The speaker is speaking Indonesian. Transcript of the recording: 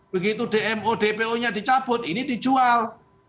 begitu dmo dpo nya dicabut ini dijual